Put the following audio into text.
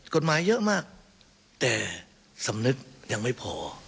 กฎหมายเยอะมากแต่สำนึกยังไม่พอ